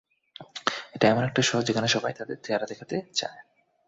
এটা এমন একটা শো যেখানে সবাই তাদের চেহারা দেখাতে চায়!